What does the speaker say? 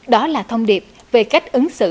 đó là thông điệp về cách ứng xử